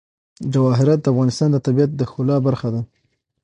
جواهرات د افغانستان د طبیعت د ښکلا برخه ده.